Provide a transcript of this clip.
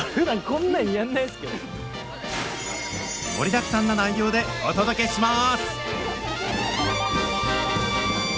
盛りだくさんの内容でお届けします！